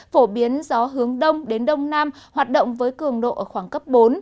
phổ biến gió hướng đông đến đông nam hoạt động với cường độ ở khoảng cấp bốn